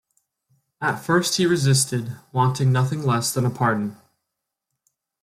At first he resisted, wanting nothing less than a pardon.